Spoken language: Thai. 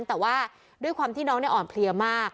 แต่ว่าด้วยความที่น้องอ่อนเพลียมาก